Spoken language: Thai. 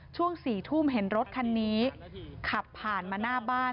ช่วง๔ทุ่มเห็นรถคันนี้ขับผ่านมาหน้าบ้าน